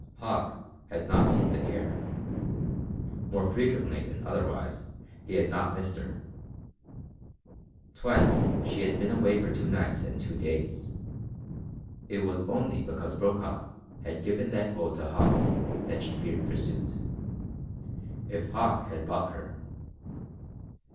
Hauck had not seemed to care. More frequently than otherwise he had not missed her. Twice she had been away for two nights and two days. It was only because Brokaw had given that gold to Hauck that she had feared pursuit. If Hauck had bought her....